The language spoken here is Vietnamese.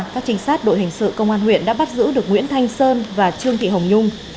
các trinh sát đội hình sự công an huyện đã bắt giữ được nguyễn thanh sơn và trương thị hồng nhung